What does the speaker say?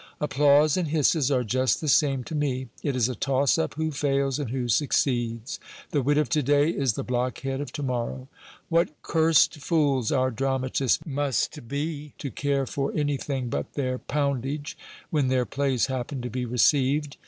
Applause and hisses are just the same t' > me. It is a toss up who fails and who succeeds : the wit of to day is the blockhead of to morrow. What cursed fools our dramatists must be, to care for 408 GIL BLAS. anything but their poundage when their plays happen to be received !